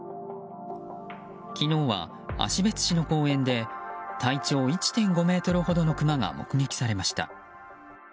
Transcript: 昨日は芦別市の公園で体長１．５ｍほどのクマが目撃されました。